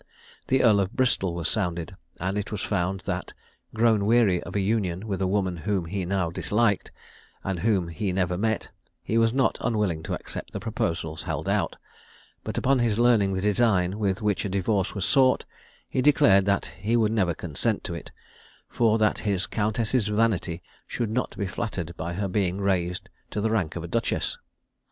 The Earl of Bristol was sounded; and it was found that, grown weary of a union with a woman whom he now disliked, and whom he never met, he was not unwilling to accept the proposals held out; but upon his learning the design with which a divorce was sought, he declared that he would never consent to it, for that his countess's vanity should not be flattered by her being raised to the rank of a duchess.